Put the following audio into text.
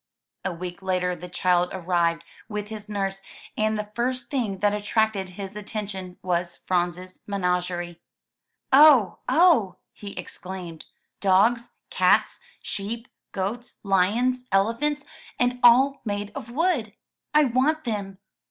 A week later the child arrived with his nurse, and the first thing that attracted his attention was Franz's menagerie. "Oh! oh!" he exclaimed, "dogs, cats, sheep, goats, lions, elephants, and all made of wood! I want them."